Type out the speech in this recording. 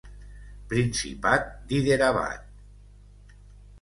Principat d'Hyderabad.